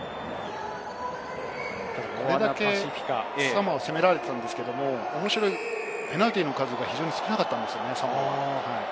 これだけサモアは攻められていたんですけれど、ペナルティーの数が少なかったんですよね。